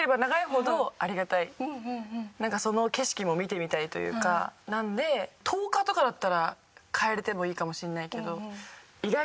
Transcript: その景色も見てみたいというかなので１０日とかだったら換えられてもいいかもしれないけど。